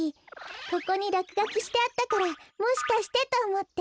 ここにらくがきしてあったからもしかしてとおもって。